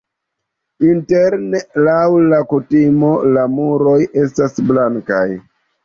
Interne laŭ la kutimo la muroj estas blankaj.